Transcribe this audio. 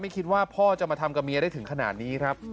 คิดว่าพ่อจะมาทำกับเมียได้ถึงขนาดนี้ครับ